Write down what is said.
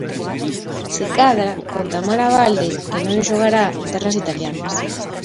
Se cadra con Tamara Abalde que non xogará en terras italianas.